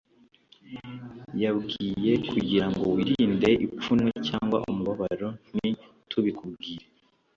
yabwiye kugirango wirinde ipfunwe cyangwa umubabaro nti tubikubwire